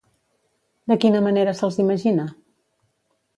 De quina manera se'ls imagina?